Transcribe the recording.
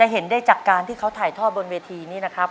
เห็นได้จากการที่เขาถ่ายทอดบนเวทีนี้นะครับ